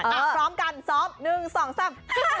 พร้อมกันซอม๑๒๓